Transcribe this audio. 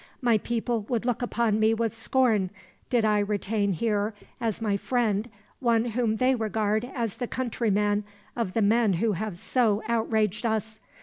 My people would look upon me with scorn, did I retain here as my friend one whom they regard as the countryman of the men who have so outraged us.